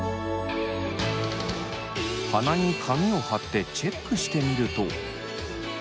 鼻に紙を貼ってチェックしてみると。